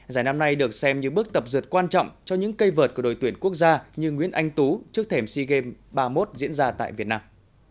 giải năm nay được xem như bước tập dượt quan trọng cho những cây vợt của đội tuyển quốc gia như nguyễn anh tú trước thềm sea games ba mươi một diễn ra tại việt nam